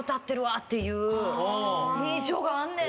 印象があんねん。